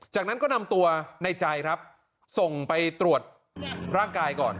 จากนั้นก็นำตัวในใจครับส่งไปตรวจร่างกายก่อน